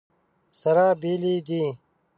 سره بېلې دي.